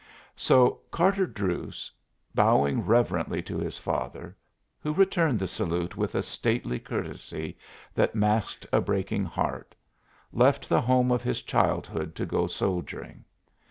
So Carter Druse, bowing reverently to his father, who returned the salute with a stately courtesy that masked a breaking heart, left the home of his childhood to go soldiering.